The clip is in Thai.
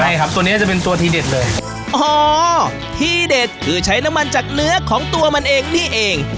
ใช่ครับตัวเนี้ยจะเป็นตัวทีเด็ดเลยอ๋อที่เด็ดคือใช้น้ำมันจากเนื้อของตัวมันเองนี่เอง